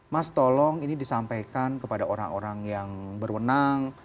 mas tolong ini disampaikan kepada orang orang yang berwenang